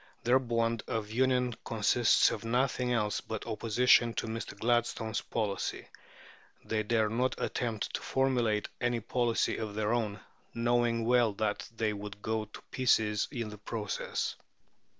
Their bond of union consists of nothing else but opposition to Mr. Gladstone's policy. They dare not attempt to formulate any policy of their own, knowing well that they would go to pieces in the process.